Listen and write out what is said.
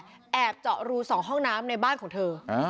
ไล่ตั้งแต่แอบเจาะรู้๒ห้องน้ำในบ้านของเธอ